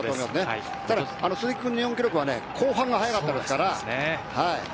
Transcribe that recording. ただ鈴木君の日本記録は後半が速かったです。